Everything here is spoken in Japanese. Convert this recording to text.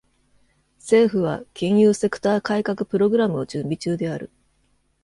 政府は金融セクター改革プログラムを準備中である。